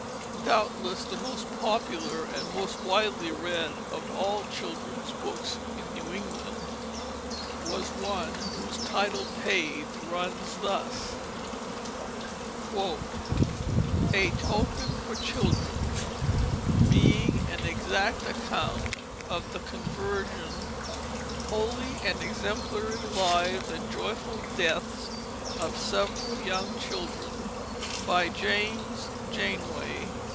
Doubtless the most popular and most widely read of all children's books in New England was one whose title page runs thus: _A Token for Children, being an Exact Account of the Conversion, Holy and Exemplary Lives and Joyful Deaths of Several Young Children, by James Janeway.